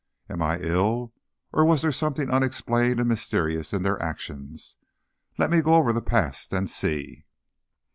Am I ill, or was there something unexplained and mysterious in their actions? Let me go over the past and see.